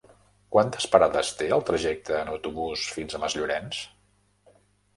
Quantes parades té el trajecte en autobús fins a Masllorenç?